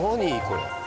これ。